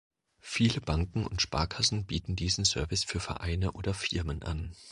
Viele Banken und Sparkassen bieten diesen Service für Vereine oder Firmen an.